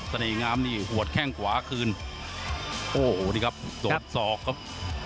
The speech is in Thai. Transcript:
เสน่ห์งามนี่หัวแข้งกวาคืนโอ้โหดีครับโดดสอกครับ